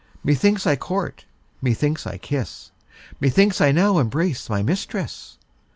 Methinks I court, methinks I kiss, Methinks I now embrace my mistress.